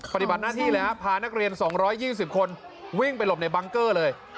ปฏิบัติหน้าที่เลยฮะพานักเรียน๒๒๐คนวิ่งไปหลบในบังเกอร์เลย